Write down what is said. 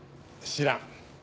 知らん。